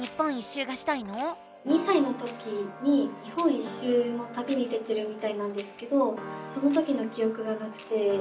２さいの時に日本一周のたびに出てるみたいなんですけどその時のきおくがなくて。